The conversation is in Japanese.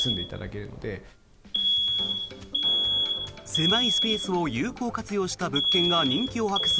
狭いスペースを有効活用した物件が人気を博す